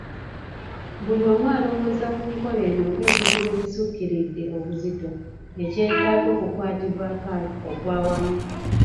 Buli omu alowooza ku nkola eno ng'ekizibu ekisukkiridde obuzito ekyetaaga okukwatibwako okwawamu